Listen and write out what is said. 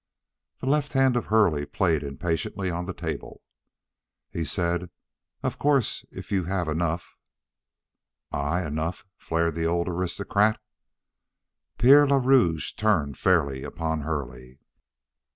The left hand of Hurley played impatiently on the table. He said: "Of course, if you have enough " "I enough?" flared the old aristocrat. Pierre le Rouge turned fairly upon Hurley.